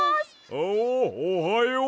ああおはよう！